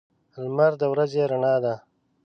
لمر د ورځې رڼا ده.